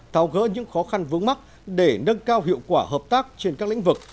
tháo gỡ những khó khăn vướng mắt để nâng cao hiệu quả hợp tác trên các lĩnh vực